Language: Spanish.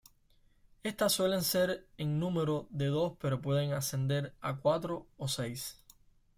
Estas suelen ser en número de dos pero pueden ascender a cuatro o seis.